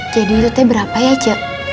jadi itu teh berapa ya cik